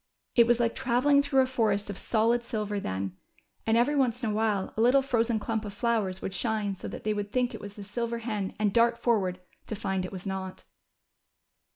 It was like travelling through a forest of solid silver then, and every once in a while a little frozen clump of flowers would shine so that they w'ould think it was the silver hen and dart forward, to find it was not.